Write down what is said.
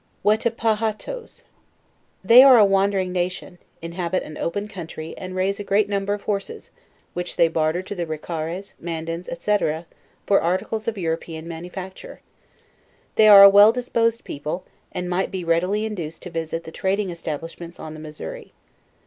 WETEPAHATOES. They are a wandering nation, inhabit an open country, and ra : se a great number of horses which they barter to the Ricaras, Mandars, &c. for articles of Eu ropean manufacture. They are a well disposed people, and might be readily induced to visit the trading establishments on the Missouri.